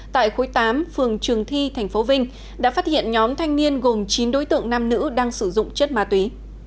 tại khối tám phường trường thi tp vinh đã phát hiện nhóm thanh niên gồm chín đối tượng nam nữ đang sử dụng chất ma túy